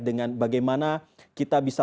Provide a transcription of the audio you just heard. dengan bagaimana kita bisa